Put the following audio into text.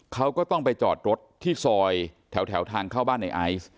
เขาก็ต้องไปจอดรถที่ซอยแถวทางเข้าบ้านในไอซ์